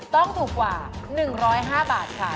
ต้องถูกกว่า๑๐๕บาทค่ะ